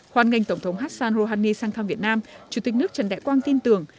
khoan ngành tổng thống hassan rouhani sang thăm việt nam chủ tịch nước trần đại quang tin tưởng